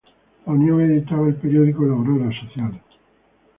La Unión editaba el periódico "La Aurora Social".